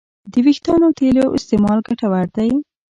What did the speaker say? د وېښتیانو تېلو استعمال ګټور دی.